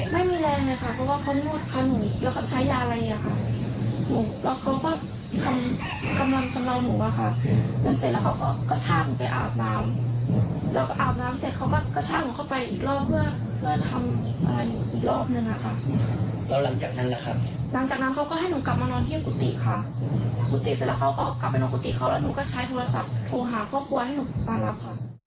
หนูก็ใช้โทรศัพท์โทรหาพ่อครัวให้หนูตามรับค่ะ